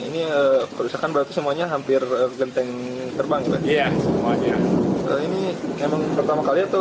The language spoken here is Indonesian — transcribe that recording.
ini perusahaan barat semuanya hampir genteng terbang ya semuanya ini memang pertama kali atau